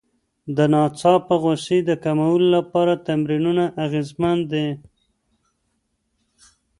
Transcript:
د ناڅاپه غوسې د کمولو لپاره تمرینونه اغېزمن دي.